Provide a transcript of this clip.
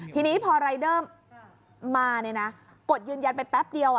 ทีนี้พอรายเดอร์มากดยืนยันไปแป๊บเดียว